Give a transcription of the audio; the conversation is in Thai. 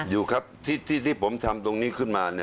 อยู่ครับที่ผมทำตรงนี้ขึ้นมา